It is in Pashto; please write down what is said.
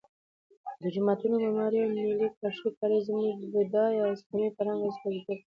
د جوماتونو معمارۍ او نیلي کاشي کاري زموږ د بډای اسلامي فرهنګ استازیتوب کوي.